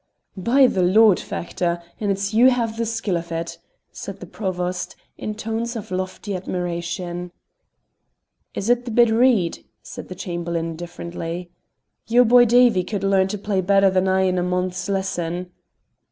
"By the Lord, Factor, and it's you have the skill of it!" said the Provost, in tones of lofty admiration. "Is't the bit reed?" said the Chamberlain, indifferently. "Your boy Davie could learn to play better than I in a month's lessons."